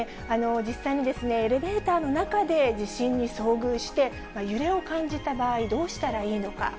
実際にエレベーターの中で地震に遭遇して、揺れを感じた場合、どうしたらいいのか。